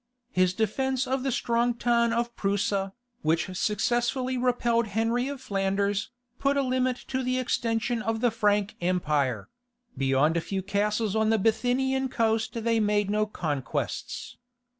His defence of the strong town of Prusa, which successfully repelled Henry of Flanders, put a limit to the extension of the Frank Empire; beyond a few castles on the Bithynian coast they made no conquests.